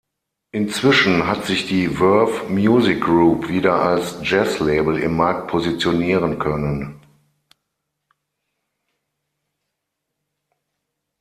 Inzwischen hat sich die Verve Music Group wieder als Jazzlabel im Markt positionieren können.